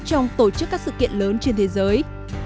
trong tổ chức các sự kiện lớn trên thế giới